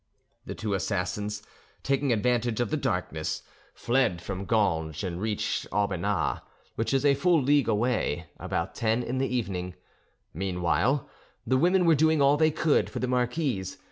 The two assassins, taking advantage of the darkness, fled from Ganges, and reached Aubenas, which is a full league away, about ten in the evening. Meanwhile the women were doing all they could for the marquise.